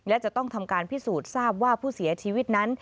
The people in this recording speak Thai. และจะต้องทำการพิสูจน์ทราบว่าผู้เสียชีวิตนั้น